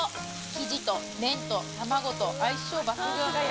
生地と麺と卵と相性抜群